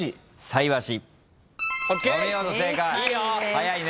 早いね。